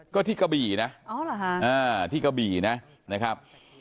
ก็ที่กะบีนะอ๋อเหรอฮะอ่าที่กะบีน่ะนะครับ